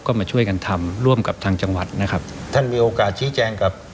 ก็มาช่วยกันทำร่วมกับทางจังหวัดนะครับท่านมีโอกาสชี้แจงกับ